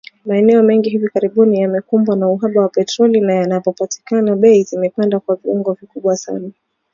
Maeneo mengi hivi karibuni yamekumbwa na uhaba wa petroli na yanapopatikana, bei zimepanda kwa viwango vikubwa sana.